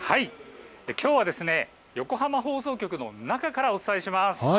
きょうは横浜放送局の中からお伝えします。